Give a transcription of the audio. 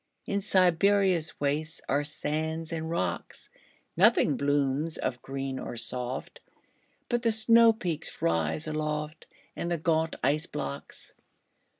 In Siberia's wastesAre sands and rocks. Nothing blooms of green or soft, But the snowpeaks rise aloftAnd the gaunt ice blocks.